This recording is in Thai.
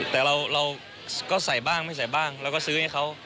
แต่เราก็ใส่บ้างไม่ใส่บ้างเราก็ซื้อให้เขา